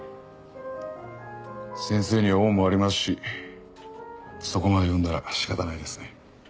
先生には恩もありますしそこまで言うなら仕方ないですね。